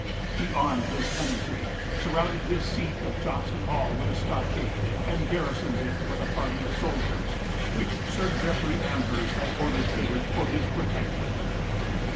He armed his tenantry, surrounded his seat of Johnson Hall with a stockade, and garrisoned it with a party of soldiers, which Sir Jeffrey Amherst had ordered thither for his protection.